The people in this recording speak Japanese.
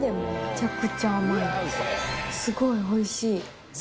すごいおいしい。